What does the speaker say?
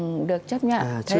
chưa được nhận ngay đâu